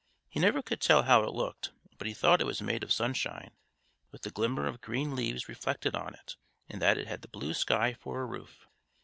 He never could tell how it looked; but he thought it was made of sunshine, with the glimmer of green leaves reflected on it, and that it had the blue sky for a roof.